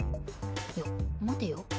いや待てよ。